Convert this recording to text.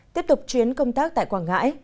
tiếp tục chuyến công tác tại quảng ngãi